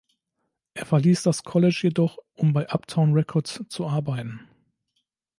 Er verließ das College jedoch, um bei Uptown Records zu arbeiten.